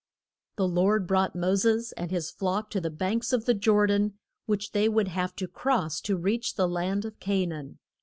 The Lord brought Mo ses and his flock to the banks of the Jor dan, which they would have to cross to reach the land of Ca naan.